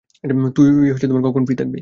তুই কখন ফ্রি থাকবি?